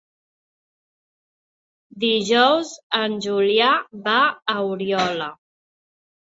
Dijous en Julià va a Oriola.